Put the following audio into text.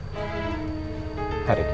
kenapa kamu kaget ngeliat om